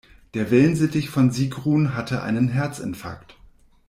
Der Wellensittich von Sigrun hatte einen Herzinfarkt.